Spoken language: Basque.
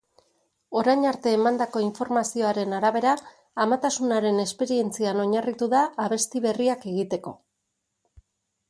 Orain arte emandako informazioaren arabera, amatasunaren esperientzian oinarritu da abesti berriak egiteko.